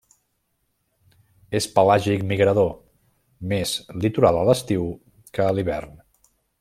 És pelàgic migrador, més litoral a l'estiu que a l'hivern.